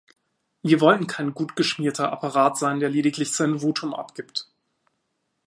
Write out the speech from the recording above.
Wir wollen kein gut geschmierter Apparat sein, der lediglich sein Votum abgibt.